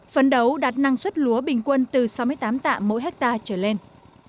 phấn đấu đạt năng suất lúa bình quân từ sáu mươi tám tạ mỗi hectare trở lên